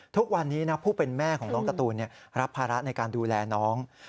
ทุกวันนี้นะผู้เป็นแม่ของน้องการ์ตูนรับภาระในการดูแลน้อง